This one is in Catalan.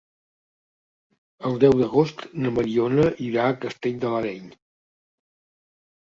El deu d'agost na Mariona irà a Castell de l'Areny.